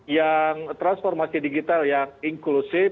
yang transformasi digital yang inklusif